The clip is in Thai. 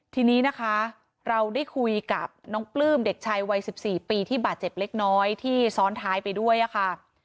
ทีนี้นะคะเราได้คุยกับน้องปลื้มเด็กชายวัย๑๔ปีที่บาดเจ็บเล็กน้อยที่ซ้อนท้ายไปด้วยค่ะ